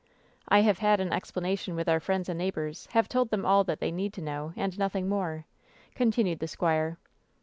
"I have had an explanation with our friends and neighbors ; have told them all that they need know, and nothing more," continued the squire.